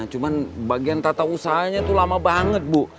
cuman bagian tata usahanya itu lama banget bu